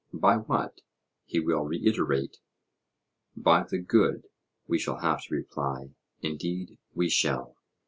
'By what?' he will reiterate. By the good, we shall have to reply; indeed we shall.